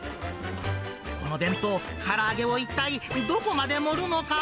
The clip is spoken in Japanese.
この弁当、から揚げを一体どこまで盛るのか。